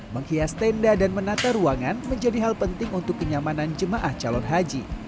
menghias tenda dan menata ruangan menjadi hal penting untuk kenyamanan jemaah calon haji